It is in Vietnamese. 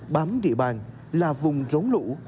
bám địa bàn là vùng rống lũ